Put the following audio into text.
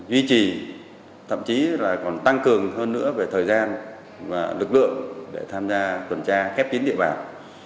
duy trì thậm chí là còn tăng cường hơn nữa về thời gian và lực lượng để tham gia tuần tra khép kín địa bàn